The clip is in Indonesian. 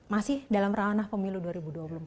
masih dalam ranah pemilu dua ribu dua puluh empat